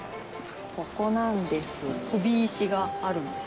ここなんです